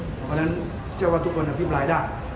เพราะฉะนั้นเชื่อว่าทุกคนอภิปรายได้